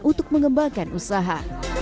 untuk mengembangkan usaha